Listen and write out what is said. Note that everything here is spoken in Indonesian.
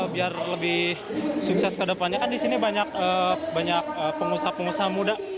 biar lebih sukses ke depannya kan di sini banyak pengusaha pengusaha muda